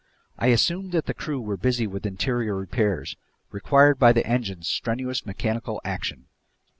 I assumed that the crew were busy with interior repairs, required by the engine's strenuous mechanical action.